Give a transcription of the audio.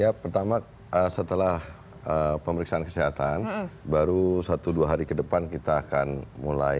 ya pertama setelah pemeriksaan kesehatan baru satu dua hari ke depan kita akan mulai